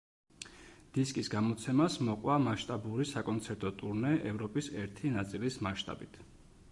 დისკის გამოცემას მოჰყვა მასშტაბური საკონცერტო ტურნე ევროპის ერთი ნაწილის მასშტაბით.